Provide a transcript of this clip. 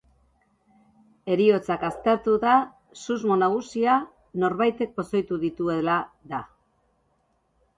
Heriotzak aztertuta susmo nagusia norbaitek pozoitu dituela da.